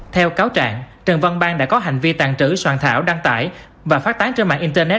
theo cáo trạng trần văn bang đã có hành vi tàn trữ soạn thảo đăng tải và phát tán trên mạng internet